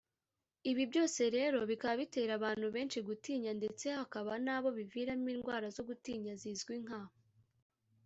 Ibi byose rero bikaba bitera abantu benshi gutinya ndetse hakaba n’abo biviramo indwara zo gutinya zizwi nka